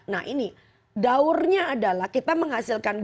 nah ini daurnya adalah kita menghasilkan